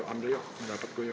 ya amri ya dapat gue ya